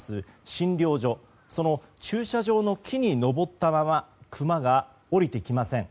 診療所その駐車場の木に上ったままクマが下りてきません。